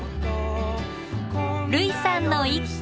類さんの一句